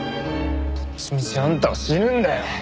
どっちみちあんたは死ぬんだよ！